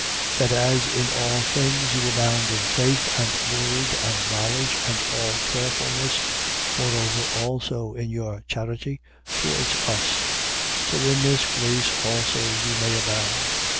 8:7. That as in all things you abound in faith and word and knowledge and all carefulness, moreover also in your charity towards us: so in this grace also you may abound.